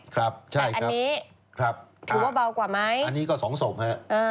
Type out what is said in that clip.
ครับใช่ครับอันนี้ถือว่าเบากว่าไหมอันนี้ก็๒ศพครับ